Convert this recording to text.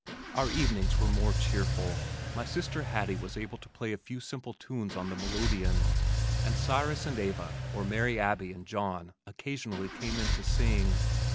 Our evenings were more cheerful. My sister Hattie was able to play a few simple tunes on the melodeon and Cyrus and Eva or Mary Abbie and John occasionally came in to sing.